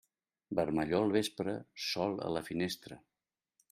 Vermellor al vespre, sol a la finestra.